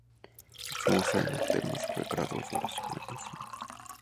いつもお世話になっております。これからどうぞよろしくお願いします。